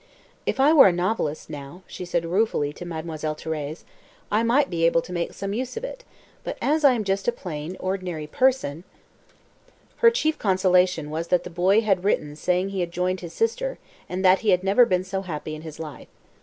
"If I were a novelist, now," she said ruefully to Mademoiselle Thérèse, "I might be able to make some use of it, but as I am just a plain, ordinary person " Her chief consolation was that the boy had written saying he had joined his sister and that he "had never been so happy in his life."